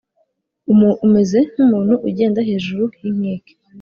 umeze nk’umuntu ugenda hejuru y’inkike